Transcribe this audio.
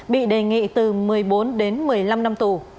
bị đề nghị từ một mươi bốn đến một mươi năm năm tù